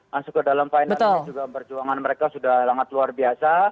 masuk ke dalam final juga perjuangan mereka sudah sangat luar biasa